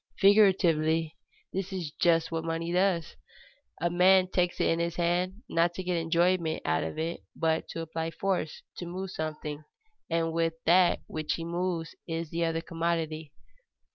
Figuratively, this is just what money does. A man takes it in his hand not to get enjoyment out of it, but to apply force, to move something, and that which he moves is the other commodity.